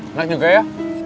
enak juga ya